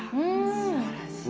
すばらしい。